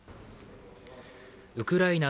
ウクライナ